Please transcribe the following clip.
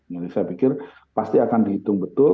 jadi saya pikir pasti akan dihitung betul